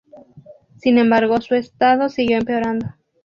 Sin embargo, su estado siguió empeorando.